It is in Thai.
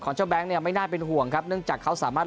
เจ้าแบงค์เนี่ยไม่น่าเป็นห่วงครับเนื่องจากเขาสามารถ